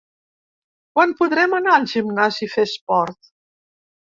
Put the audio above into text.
Quan podrem anar al gimnàs i fer esport?